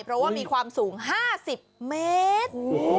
เพราะว่ามีความสูง๕๐เมตร